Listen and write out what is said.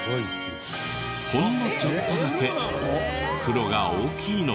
ほんのちょっとだけ黒が大きいのです。